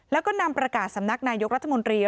แล้วก็นำประกาศสำนักนายกรัฐมนตรี